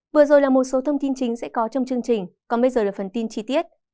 vừa rồi là một số thông tin chính sẽ có trong chương trình còn bây giờ là phần tin chi tiết